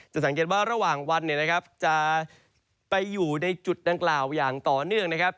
สังเกตว่าระหว่างวันเนี่ยนะครับจะไปอยู่ในจุดดังกล่าวอย่างต่อเนื่องนะครับ